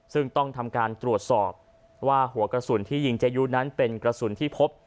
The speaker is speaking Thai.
ซึ่งต้องทำการตรวจสอบว่าหัวกระสุนที่ยิงเจยุนั้นเป็นกระสุนที่พบ